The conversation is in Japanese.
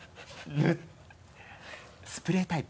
スプレータイプ。